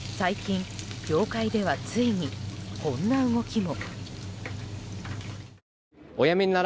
最近、業界ではついにこんな動きも。